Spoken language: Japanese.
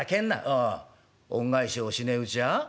おお恩返しをしねえうちは？